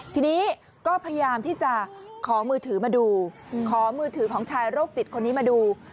ทีนี้ก็พยายามที่จะขอมือถือมาดูขอมือถือของชายโรคจิตคนนี้มาดู